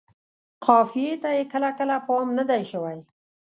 قافیې ته یې کله کله پام نه دی شوی.